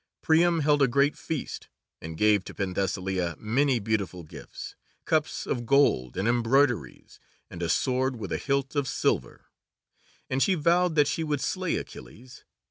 Priam held a great feast, and gave to Penthesilea many beautiful gifts: cups of gold, and embroideries, and a sword with a hilt of silver, and she vowed that she would slay Achilles.